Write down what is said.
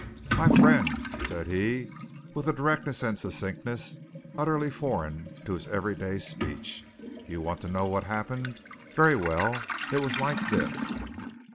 "My fren'," said he, with a directness and succinctness utterly foreign to his everyday speech, "you want to know what happen'. Ver' well; it was like this."